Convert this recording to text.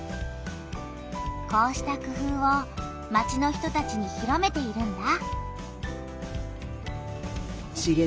こうした工夫を町の人たちに広めているんだ。